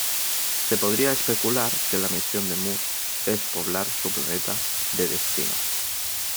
Se podría especular que la misión de Muse es poblar su planeta de destino.